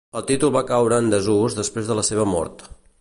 El títol va caure en desús després de la seva mort.